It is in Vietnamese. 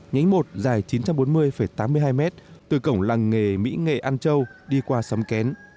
nhánh một dài chín trăm bốn mươi tám mươi hai m từ cổng làng nghề mỹ nghệ an châu đi qua xóm kén